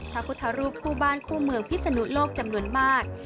พระพุทธรูปคู่บ้านคู่เมืองพิศนุโลกจำนวนมาก